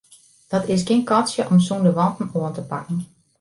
Dat is gjin katsje om sûnder wanten oan te pakken.